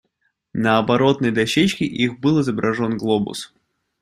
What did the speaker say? На оборотной дощечке их был изображен глобус.